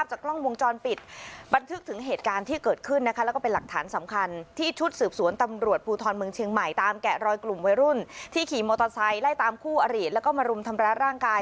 ผู้อารีตและก็มรุมธรรมราชร่างกาย